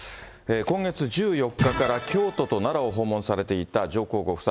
今月１４日から京都と奈良を訪問されていた上皇ご夫妻。